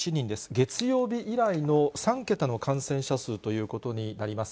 月曜日以来の３桁の感染者数ということになります。